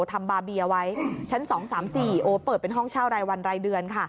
ทำบาเบียไว้ชั้น๒๓๔โอ้เปิดเป็นห้องเช่ารายวันรายเดือนค่ะ